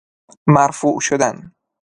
مرفوع شدن